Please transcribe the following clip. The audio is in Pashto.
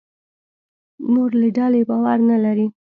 نورې ډلې باور نه لري.